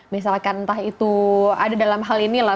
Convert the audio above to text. misalkan entah itu ada dalam hal ini lah